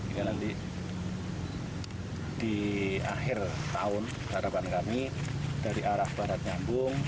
ini nanti di akhir tahun harapan kami dari arah barat nyambung